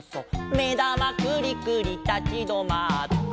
「めだまくりくりたちどまって」